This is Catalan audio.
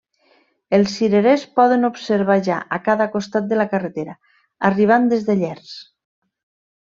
Els cirerers poden observar ja a cada costat de la carretera, arribant des de Llers.